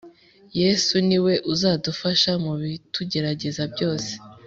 Yesu ni we uzadufasha mu bitugerageza byoese